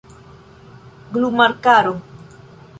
glumarkaro